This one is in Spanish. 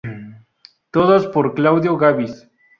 Todas por Claudio Gabis.